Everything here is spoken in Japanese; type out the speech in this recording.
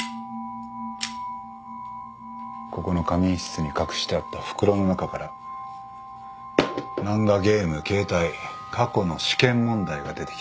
ここの仮眠室に隠してあった袋の中から漫画ゲーム携帯過去の試験問題が出てきた。